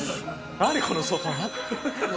何このソファ。